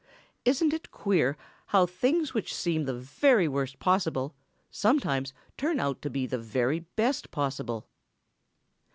Isn't it queer how things which seem the very worst possible sometimes turn out to be the very best possible?"